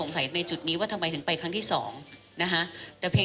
ไม่ว่าคุณสั้นต้นหรือประทานกระบวนการวิทยาลัยภาพเนี่ย